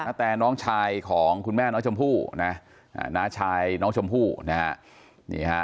แตน้องชายของคุณแม่น้องชมพู่นะน้าชายน้องชมพู่นะฮะนี่ฮะ